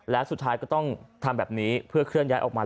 และสุดท้ายก็ต้องทำแบบนี้เพื่อเคลื่อนย้ายออกมา